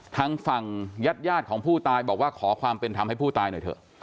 ทางฝั่งญาติของผู้ตายบอกว่าขอความเป็นธรรมให้ผู้ตายหน่อยเถอะ